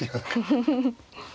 フフフフ。